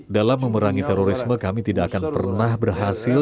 dalam memerangi terorisme kami tidak akan pernah berhasil